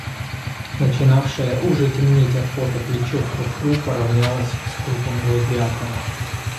Начинавшее уже темнеть от пота плечо Фру-Фру поравнялось с крупом Гладиатора.